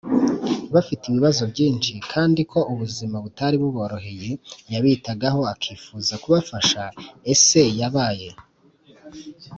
bafite ibibazo byinshi kandi ko ubuzima butari buboroheye Yabitagaho akifuza kubafasha Ese yabaye